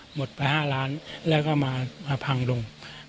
หมดไป๕ล้านแล้วก็มาพังลง